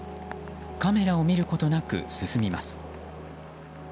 カメラを見ることなく進みます。